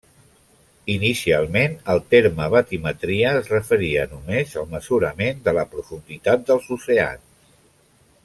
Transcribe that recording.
Inicialment, el terme batimetria es referia només al mesurament de la profunditat dels oceans.